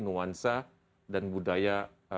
nuansa dan budaya